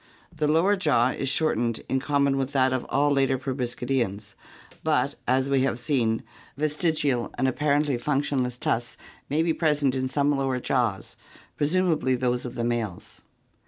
The lower jaw is shortened in common with that of all later proboscid eans, but as we have seen, vestigial and apparently functionless tusks may be present in some lower jaws, presumably those of males.